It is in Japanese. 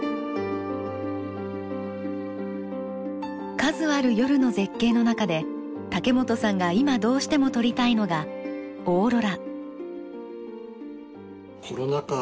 数ある夜の絶景の中で竹本さんが今どうしても撮りたいのがオーロラ。